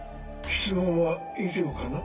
質問は以上かな？